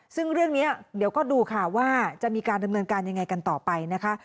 ซึ่งเรื่องนี้เดี๋ยวก็ดูค่ะว่าจะมีการดำเนินการยังไงกันต่อไปนะคะ